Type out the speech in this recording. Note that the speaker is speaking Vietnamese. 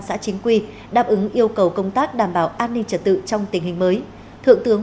xã chính quy đáp ứng yêu cầu công tác đảm bảo an ninh trật tự trong tình hình mới thượng tướng